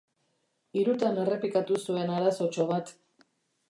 Hirutan errepikatu zuen arazotxo bat.